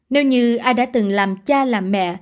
nếu như ai đã từng làm cha làm mẹ